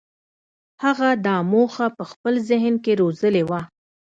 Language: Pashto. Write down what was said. هغه دا موخه په خپل ذهن کې روزلې وه.